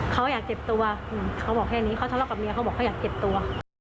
เขาอยากเจ็บตัวเขาบอกแค่นี้เขาทะเลาะกับเมียเขาบอกเขาอยากเจ็บตัว